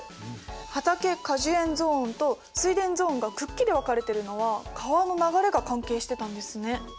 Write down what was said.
畑果樹園ゾーンと水田ゾーンがくっきり分かれてるのは川の流れが関係してたんですね。